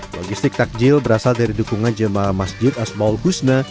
logistik takjil berasal dari dukungan jemaah masjid asma ul husna